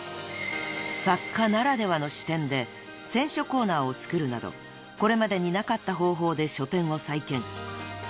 ［作家ならではの視点で選書コーナーを作るなどこれまでになかった方法で書店を再建］